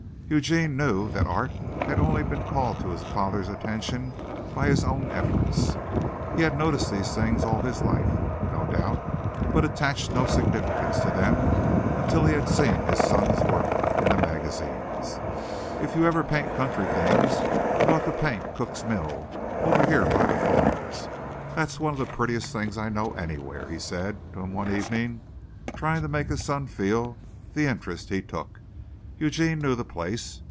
Eugene knew that art had only been called to his father's attention by his own efforts. He had noticed these things all his life, no doubt, but attached no significance to them until he had seen his son's work in the magazines. "If you ever paint country things, you ought to paint Cook's Mill, over here by the falls. That's one of the prettiest things I know anywhere," he said to him one evening, trying to make his son feel the interest he took. Eugene knew the place.